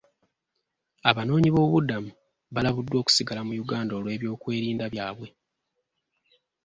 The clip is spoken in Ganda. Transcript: Abanoonyiboobubudamu balabuddwa okusigala mu Uganda olw'ebyokwerinda byabwe.